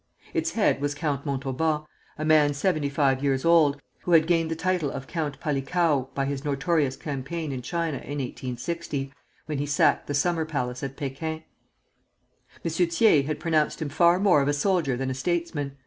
Its head was Count Montauban, a man seventy five years old, who had gained the title of Count Palikao by his notorious campaign in China in 1860, when he sacked the summer palace at Pekin. M. Thiers had pronounced him far more of a soldier than a statesman.